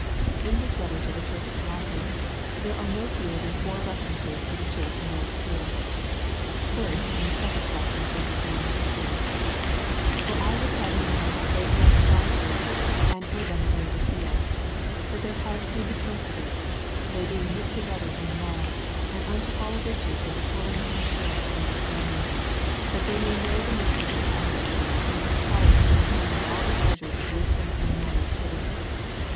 In his letter to the church at Colosse there are no fewer than four references to the church at Laodicea. First in the second chap ter, verses 1 3. " For I would have you know how greatly I strive for you, and for them at Laodicea, ... that their hearts may be comforted, they being knit together in love, and unto all riches of the full assurance of un derstanding, that they may know the mystery of God, even Christ in Whom are all the treas ures of wisdom and knowledge hidden."